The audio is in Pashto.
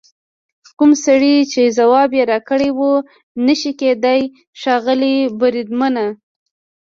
کوم سړي چې ځواب یې راکړ وویل: نه شي کېدای ښاغلي بریدمنه.